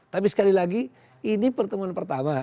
tapi sekali lagi ini pertemuan pertama